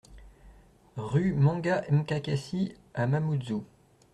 RUE MANGA M'KAKASSI à Mamoudzou